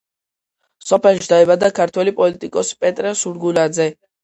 სოფელში დაიბადა ქართველი პოლიტიკოსი პეტრე სურგულაძე.